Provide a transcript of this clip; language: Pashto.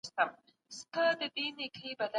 ايا انلاين زده کړه د موادو اسانه لاسرسی برابروي؟